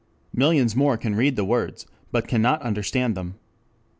Millions more can read the words but cannot understand them.